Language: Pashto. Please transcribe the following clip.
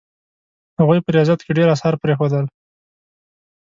هغوی په ریاضیاتو کې ډېر اثار پرېښودل.